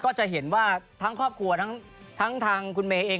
ก็จะเห็นว่าทั้งครอบครัวทั้งทางคุณเมย์เอง